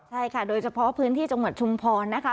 ใช่ค่ะโดยเฉพาะพื้นที่จังหวัดชุมพรนะคะ